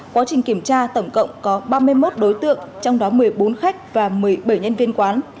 quá trình kiểm tra tổng cộng có ba mươi một đối tượng trong đó một mươi bốn khách và một mươi bảy nhân viên quán